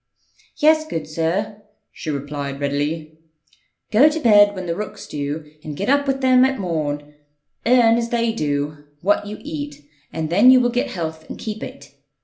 'Yes, good sir,' she replied readily: 'go to bed when the rooks do, and get up with them at morn; earn, as they do, what you eat; and then you will get health and keep it.'